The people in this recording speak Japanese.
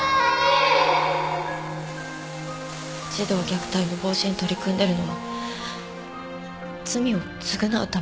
・児童虐待の防止に取り組んでるのは罪を償うためでした。